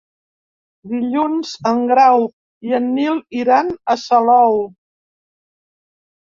Dilluns en Grau i en Nil iran a Salou.